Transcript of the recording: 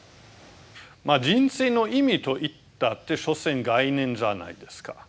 まあ「人生の意味」と言ったって所詮概念じゃないですか。